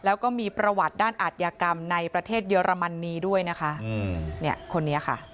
แล้วก็มีประวัติด้านอาทยากรรมในประเทศเยอรมนีด้วยนะคะอืมเนี่ยคนนี้ค่ะ